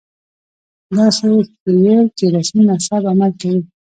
داسې ښييل چې رسمي مذهب عمل کوي